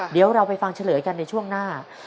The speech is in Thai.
เดี๋ยวเราไปฟังเฉลยกันในช่วงหน้า